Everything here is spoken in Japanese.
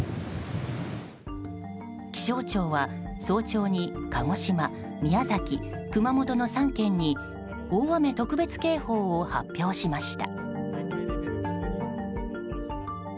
気象庁は早朝に鹿児島、宮崎、熊本の３県に大雨特別警報を発表しました。